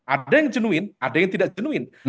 ada yang genuin ada yang tidak jenuin